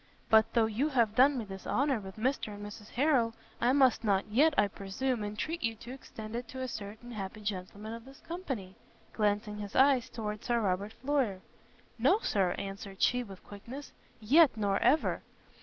But though you have done me this honour with Mr and Mrs Harrel, I must not yet, I presume, entreat you to extend it to a certain happy gentleman of this company;" glancing his eyes toward Sir Robert Floyer. "No, Sir," answered she, with quickness, "yet, nor ever!"